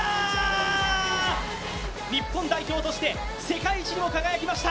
日本代表として世界一にも輝きました。